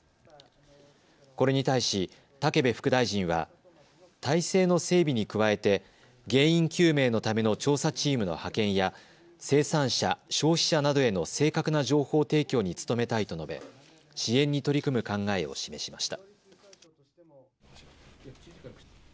これに対し武部副大臣は体制の整備に加えて原因究明のための調査チームの派遣や生産者・消費者などへの正確な情報提供に努めたいと述べ支援に取り組む考えを示しました。